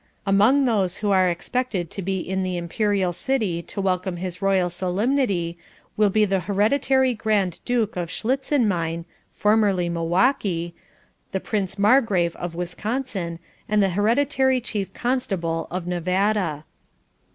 Among those who are expected to be in the Imperial city to welcome his Royal Solemnity will be the Hereditary Grand Duke of Schlitzin Mein (formerly Milwaukee), the Prince Margrave of Wisconsin and the Hereditary Chief Constable of Nevada.